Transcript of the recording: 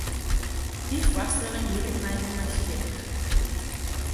Dy foarstelling liket my wol nijsgjirrich.